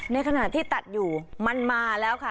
ในขณะที่ตัดอยู่มันมาแล้วค่ะ